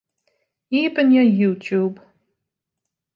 Iepenje YouTube.